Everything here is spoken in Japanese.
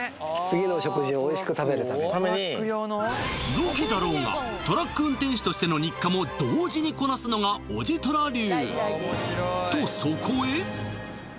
ロケだろうがトラック運転手としての日課も同時にこなすのがおじとら流